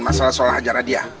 masalah soal hajaran dia